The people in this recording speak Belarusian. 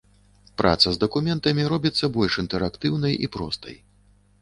Праца з дакументамі робіцца больш інтэрактыўнай і простай.